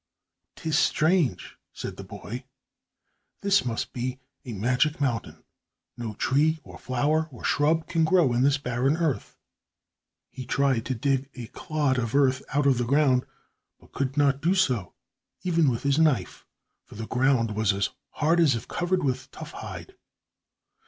"'Tis strange," said the boy. "This must be a magic mountain. No tree, or flower, or shrub, can grow in this barren earth." He tried to dig a clod of earth out of the ground, but could not do so, even with his knife, for the ground was as hard as if covered with tough hide.